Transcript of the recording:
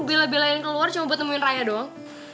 ngapain sama aku bila bila yang keluar cuma buat nemuin raya doang